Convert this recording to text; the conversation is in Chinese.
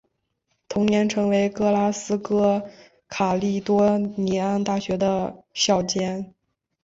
同年成为格拉斯哥卡利多尼安大学的校监。